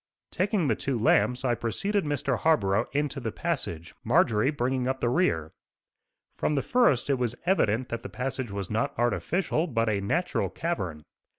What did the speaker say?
Taking the two lamps I preceded Mr. Harborough into the passage, Marjorie bringing up the rear. From the first it was evident that the passage was not artificial, but a natural cavern.